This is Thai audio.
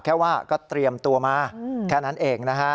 แค่ว่าก็เตรียมตัวมาแค่นั้นเองนะฮะ